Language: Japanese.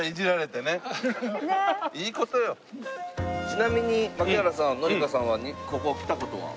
ちなみに槙原さん紀香さんはここ来た事は？